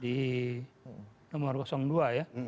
di nomor dua ya